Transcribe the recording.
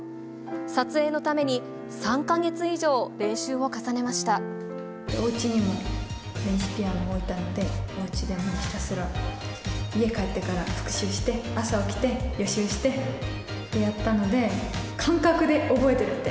撮影のために、３か月以上、おうちにも電子ピアノを置いたので、おうちでもひたすら、家帰ってから復習して、朝起きて予習してってやったので、感覚で覚えてるって。